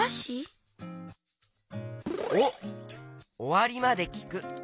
お「おわりまできく」。